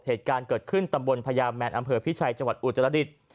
เหตุการณ์เกิดขึ้นตำบลพญาแมนอำเภอพิชัยจังหวัดอุตรดิษฐ์